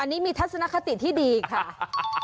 อันนี้มีทัศนคติที่ดีค่ะ